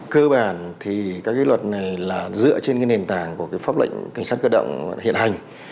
cơ bản thì các luật này là dựa trên nền tảng của pháp lệnh cảnh sát cơ động hiện hành